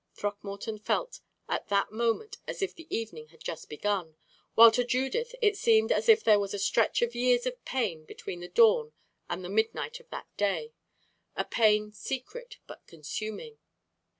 Throckmorton felt at that moment as if the evening had just begun; while to Judith it seemed as if there was a stretch of years of pain between the dawn and the midnight of that day a pain secret but consuming.